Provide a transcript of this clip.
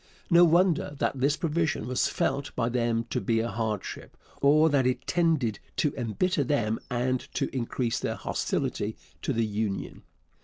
No wonder that this provision was felt by them to be a hardship, or that it tended to embitter them and to increase their hostility to the Union.